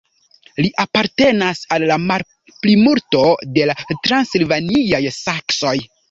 Li apartenas al la malplimulto de la transilvaniaj saksoj.